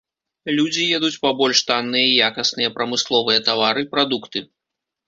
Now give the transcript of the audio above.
Людзі едуць па больш танныя і якасныя прамысловыя тавары, прадукты.